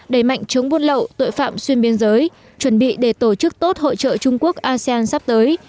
đẩy mạnh chống buôn lậu tội phạm xuyên biên giới chuẩn bị để tổ chức tốt hội trợ trung quốc asean sắp tới